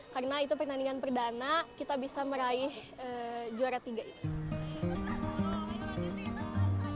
karena itu pertandingan perdana kita bisa meraih juara tiga itu